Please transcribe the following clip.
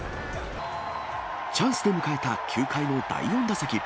チャンスで迎えた９回の第４打席。